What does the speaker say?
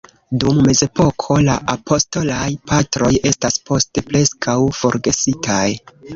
Dum mezepoko la apostolaj Patroj estas poste preskaŭ forgesitaj.